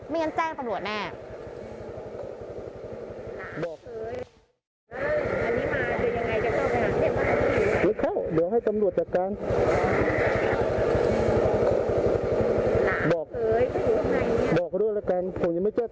งั้นแจ้งตำรวจแน่